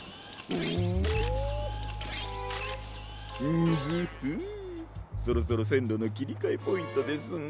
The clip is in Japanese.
ンヅフッそろそろせんろのきりかえポイントですな。